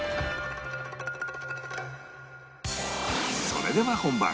それでは本番